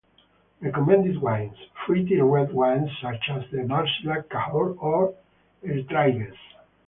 Recommended wines: Fruity red wines such as the Marcillac, Cahors or Etraygues.